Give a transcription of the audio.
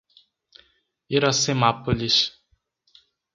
Iracemápolis